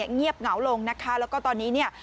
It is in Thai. เงียบเหงาลงนะคะแล้วก็ตอนนี้เนี่ย